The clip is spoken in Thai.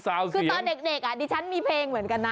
คุณรู้ไหมคือตอนเด็กอ่ะดิฉันมีเภงเหมือนกันนะ